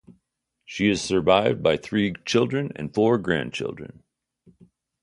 She is survived by three children and four grandchildren.